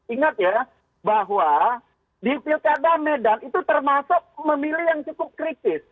ingat ya bahwa di pilkada medan itu termasuk memilih yang cukup kritis